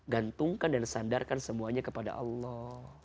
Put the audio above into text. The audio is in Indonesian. gantungkan dan sandarkan semuanya kepada allah